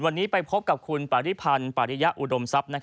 วันนี้ไปพบกับคุณปริพันธ์ปริยะอุดมทรัพย์